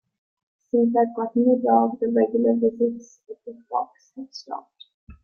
Since I've gotten a dog, the regular visits of the fox have stopped.